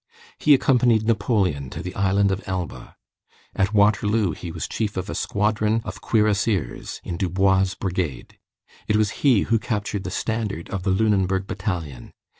He accompanied Napoleon to the Island of Elba. At Waterloo, he was chief of a squadron of cuirassiers, in Dubois' brigade. It was he who captured the standard of the Lunenburg battalion.